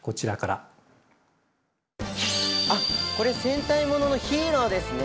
あっこれ戦隊モノのヒーローですね！